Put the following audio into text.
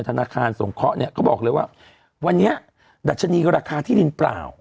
ธนาคารสงเคราะห์เนี่ยเขาบอกเลยว่าวันนี้ดัชนีราคาที่ดินเปล่า